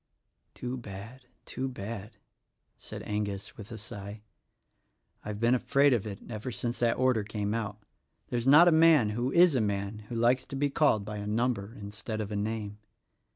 "Too bad, too bad," said Angus with a sigh. "I've been afraid of it ever since that order came out. There is not a man, who is a man, who likes to be called by a number instead of a name.